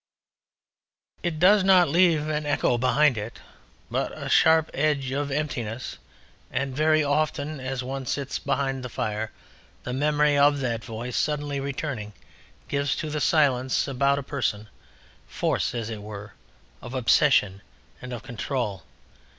It does not leave an echo behind it, but a sharp edge of emptiness, and very often as one sits beside the fire the memory of that voice suddenly returning gives to the silence about one a personal force, as it were, of obsession and of control.